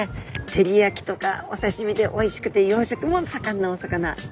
照り焼きとかお刺身でおいしくてようしょくも盛んなお魚。